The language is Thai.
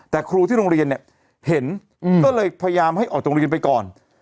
แต่ครูที่โรงเรียนเนี่ยเห็นก็เลยพยายามให้ออกโรงเรียนไปก่อน